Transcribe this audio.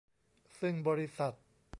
ซึ่งบริษัท